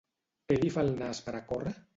Què li fa el nas per a córrer?